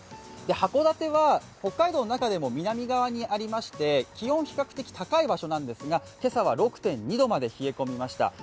函館は北海道の中でも南側にありまして気温は比較的高い場所なんですが、今朝は６．２度まで冷え込みました。